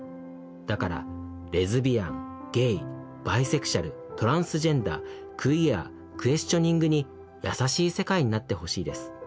だからレズビアンゲイバイセクシャルトランスジェンダークィアクエスチョニングに優しい世界になってほしいです。